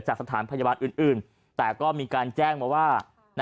สถานพยาบาลอื่นแต่ก็มีการแจ้งมาว่า